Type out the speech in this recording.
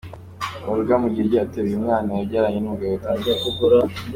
Umuhanzi Simon Kabera uzwi mu ndirimbo zihimbaza Imana, akagira indirimbo nyinshi zikunzwe cyane nka.